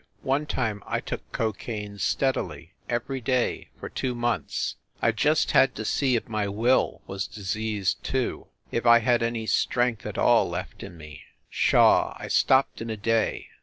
one time I took cocaine steadily, every day, for two months I just had to see if my will was diseased, too, if I had any strength at all left in me. Pshaw! I stopped in a day.